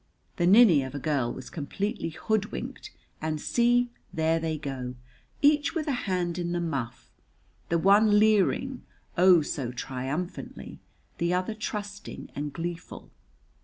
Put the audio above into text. The ninny of a girl was completely hoodwinked; and see, there they go, each with a hand in the muff, the one leering, oh, so triumphantly; the other trusting and gleeful.